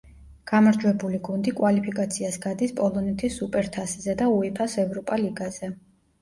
გამარჯვებული გუნდი კვალიფიკაციას გადის პოლონეთის სუპერთასზე და უეფა-ს ევროპა ლიგაზე.